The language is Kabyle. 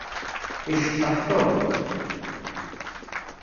Iceṭṭeḥ Tom.